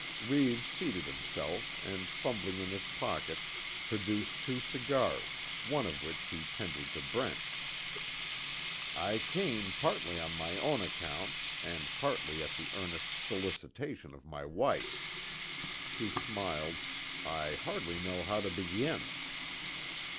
Reeves seated himself, and fumbling in his pocket, produced two cigars, one of which he tendered to Brent. "I came, partly on my own account, and partly at the earnest solicitation of my wife." He smiled, "I hardly know how to begin."